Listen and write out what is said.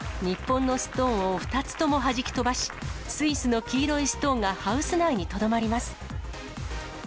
日本のストーンを２つともはじき飛ばし、スイスの黄色いストーンがハウス内にとどまります。